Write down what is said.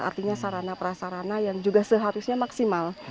artinya sarana prasarana yang juga seharusnya maksimal